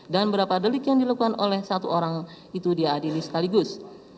dan beberapa delik yang dilakukan oleh satu orang itu diadili setaligus